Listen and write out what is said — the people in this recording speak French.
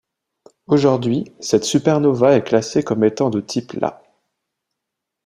Aujourd'hui, cette supernova est classée comme étant de type Ia.